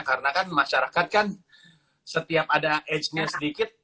karena kan masyarakat kan setiap ada edgenya sedikit